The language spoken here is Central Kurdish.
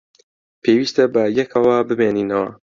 پێویستە بەیەکەوە بمێنینەوە.